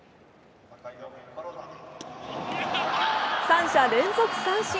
三者連続三振。